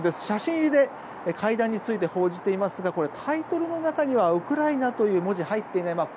写真入りで会談について報じていますがタイトルの中にはウクライナという文字が入っていない